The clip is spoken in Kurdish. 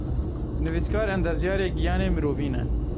Nivîskar, endezyarê giyanê mirovî ne.